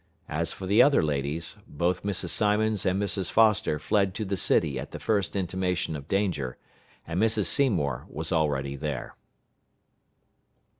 As for the other ladies, both Mrs. Simons and Mrs. Foster fled to the city at the first intimation of danger, and Mrs. Seymour was already there.